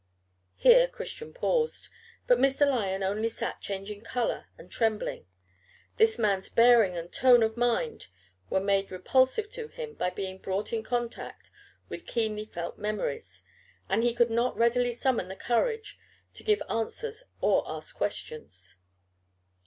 Here Christian paused; but Mr. Lyon only sat changing color and trembling. This man's bearing and tone of mind were made repulsive to him by being brought in contact with keenly felt memories, and he could not readily summon the courage to give answers or ask questions.